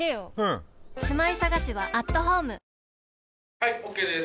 はいＯＫです